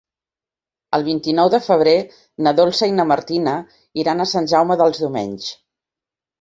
El vint-i-nou de febrer na Dolça i na Martina iran a Sant Jaume dels Domenys.